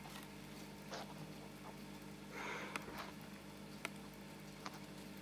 Dum la intercivitana milito li partoprenas multnombrajn kulturajn agadojn favore al la respublikanoj.